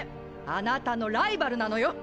あなたのライバルなのよ！